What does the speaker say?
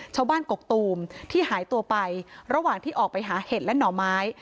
กกตูมที่หายตัวไประหว่างที่ออกไปหาเห็ดและหน่อไม้